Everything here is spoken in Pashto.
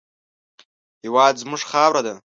هېواد زموږ خاوره ده